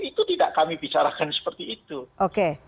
itu tidak kami bicarakan seperti itu